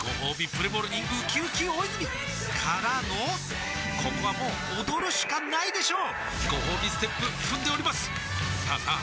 プレモルにうきうき大泉からのここはもう踊るしかないでしょうごほうびステップ踏んでおりますさあさあ